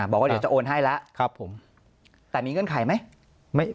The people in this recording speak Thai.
บอกว่าเดี๋ยวจะโอนให้แล้วแต่มีเงื่อนไขไหม